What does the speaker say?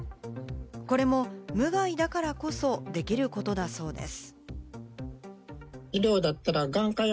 これも無害だからこそできることだそうです。